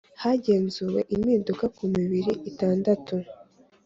Hagenzuwe impinduka ku mibiri itandatu